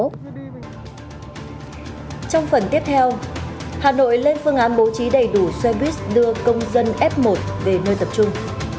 trong phần tiếp theo hà nội lên phương án bố trí đầy đủ xe buýt đưa công dân f một về nơi tập trung